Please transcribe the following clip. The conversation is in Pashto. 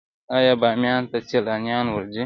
آیا بامیان ته سیلانیان ورځي؟